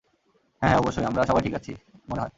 হ্যাঁ, হ্যাঁ, অবশ্যই, আমরা সবাই ঠিকই আছি, মনে হয়।